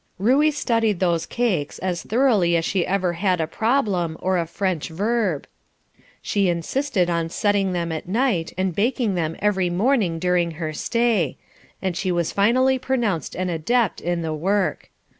Ruey studied those cakes as thoroughly as she ever had a problem, or a French verb. She insisted on setting them at night, and baking them every morning during her stay, and she was finally pronounced an adept in the work.